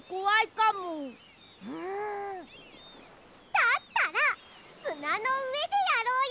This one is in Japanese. だったらすなのうえでやろうよ！